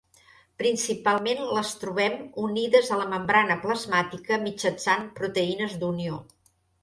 Principalment les trobem unides a la membrana plasmàtica mitjançant proteïnes d'unió.